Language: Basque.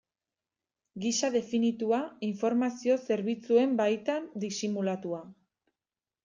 Gisa definitua, informazio zerbitzuen baitan disimulatua.